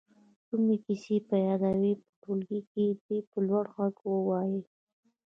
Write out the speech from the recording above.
کومې کیسې په یاد وي په ټولګي کې دې په لوړ غږ ووايي.